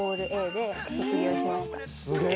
すげえ！